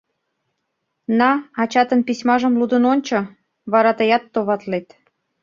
На, ачатын письмажым лудын ончо, вара тыят товатлет...